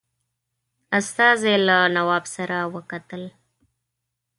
استازي له نواب سره وکتل.